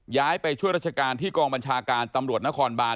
ย้ายไปช่วยราชการที่กองบัญชาการตำรวจนครบาน